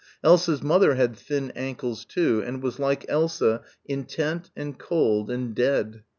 Elsa's mother had thin ankles, too, and was like Elsa intent and cold and dead.